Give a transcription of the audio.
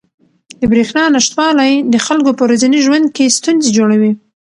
د بریښنا نشتوالی د خلکو په ورځني ژوند کې ستونزې جوړوي.